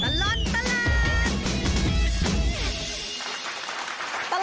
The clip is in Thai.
ช่วงตลอดตลอด